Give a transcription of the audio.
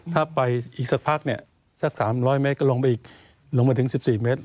ถ้าไปอีกสักพักสัก๓๐๐เมตรก็ลงไปอีกลงมาถึง๑๔เมตร